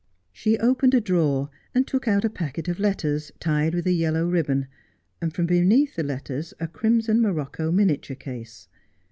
She opened a drawer and took out a packet of letters, tied with a yellow ribbon, and from beneath the letters a crimson morocco miniature case.